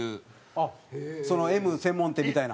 あっそのＭ専門店みたいな。